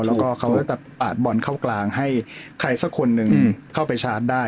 แล้วก็เขาก็จะปาดบอลเข้ากลางให้ใครสักคนหนึ่งเข้าไปชาร์จได้